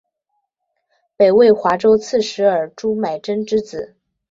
北魏华州刺史尔朱买珍之子。